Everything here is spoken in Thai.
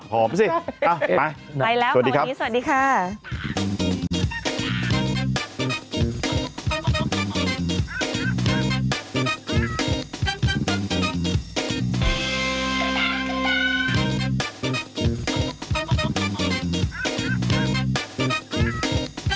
ผอมสิเอ้าไปสวัสดีครับสวัสดีค่ะไปแล้วค่ะวันนี้